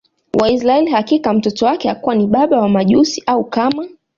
wa Israili Hakika mtoto wake hakuwa ni baba wa Majusi au kama